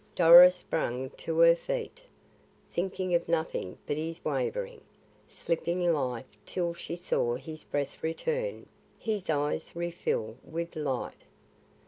Doris sprang to her feet, thinking of nothing but his wavering, slipping life till she saw his breath return, his eyes refill with light.